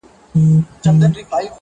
• امتحان هر سړي پر ملا مات کړي,